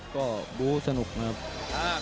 ก็บูสนุกนะครับ